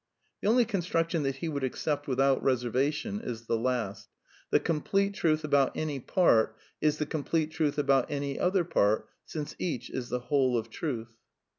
^^|^ The only construction that he would accept without reservation is the last, "the complete truth about any part is the complete truth about any other part since each is the whole of truth."